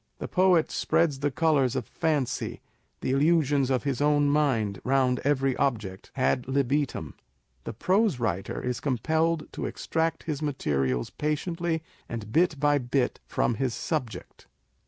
The poet spreads the colours of fancy, the illusions of his own mind, round every object, ad libitum ; the prose writer is compelled to extract his materials patiently and bit by bit, from his subject.